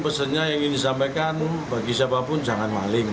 maksudnya ingin disampaikan bagi siapapun jangan maling